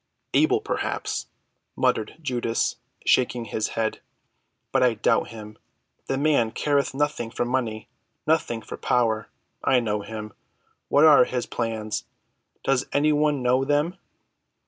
"Able, perhaps," muttered Judas shaking his head, "but I doubt him. The man careth nothing for money—nothing for power. I know him. What are his plans? Does any one know them?